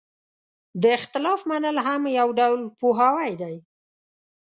د اختلاف منل هم یو ډول پوهاوی دی.